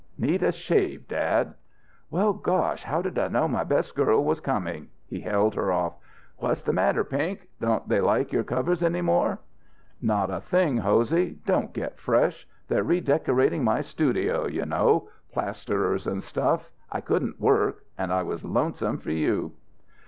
"Need a shave, dad." "Well gosh how did I know my best girl was coming!" He held her off. "What's the matter, Pink? Don't they like your covers any more?" "Not a thing, Hosey. Don't get fresh. They're redecorating my studio you know plasterers and stuff. I couldn't work. And I was lonesome for you."